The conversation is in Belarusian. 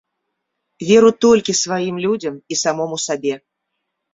Веру толькі сваім людзям і самому сабе.